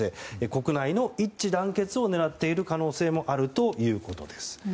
国内の一致団結を狙っている可能性もあるということです。